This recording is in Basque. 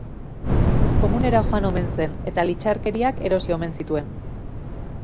Komunera joan omen zen eta litxarkeriak erosi omen zituen.